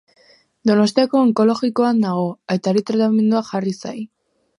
Donostiko Onkologikoan nago, Aitari tratamentua jarri zai